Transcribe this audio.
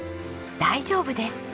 大丈夫です。